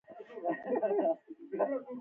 ملګری د خوشحالۍ نښه ده